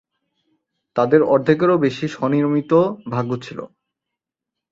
তাদের অর্ধেকেরও বেশি স্ব-নির্মিত ভাগ্য ছিল।